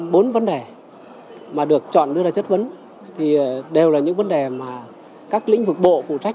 bốn vấn đề mà được chọn đưa ra chất vấn thì đều là những vấn đề mà các lĩnh vực bộ phụ trách